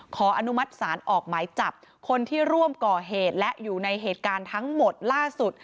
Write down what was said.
ขออนุมัติศาลออกหมายจับคนที่ร่วมก่อเหตุและอยู่ในเหตุการณ์ทั้งหมดล่าสุด